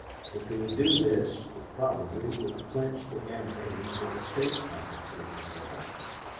If they would do this, it probably would clinch the campaign for a state compensation law."